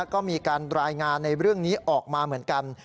ก็มีการรายงานในเรื่องนี้ออกมาเหมือนกัน